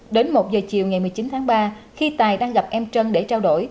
đến một giờ chiều ngày một mươi chín tháng ba khi tài đang gặp em trân để trao đổi